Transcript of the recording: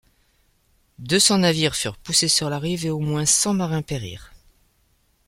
Deux cents navires furent poussés sur la rive et au moins cent marins périrent.